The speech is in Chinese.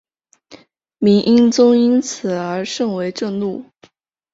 明英宗因此而甚为震怒。